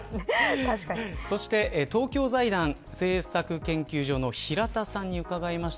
そして、東京財団政策研究所の平田さんに伺いました。